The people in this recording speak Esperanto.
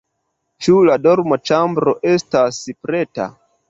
Ĉu la dormoĉambro estas preta?